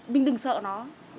mình đừng sợ nó